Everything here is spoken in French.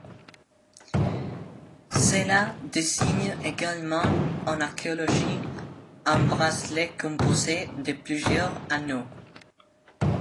Cela désigne également en archéologie un bracelet composé de plusieurs anneaux.